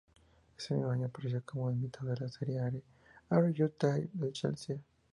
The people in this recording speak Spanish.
Ese mismo año apareció como invitado en la serie "Are You There, Chelsea?